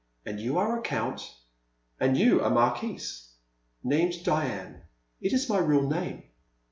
'* And you are a Count— " And you a Marquise — M Named Diane ; it is my real name."